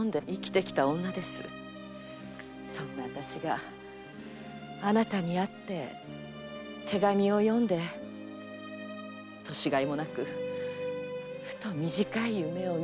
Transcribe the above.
そんな私があなたに会って手紙を読んで年がいもなくふと短い夢を見てしまった。